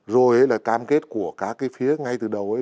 rồi là cam kết của các cái phía ngay từ đầu ấy